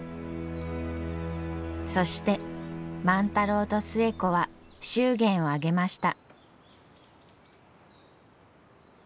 そして万太郎と寿恵子は祝言を挙げました。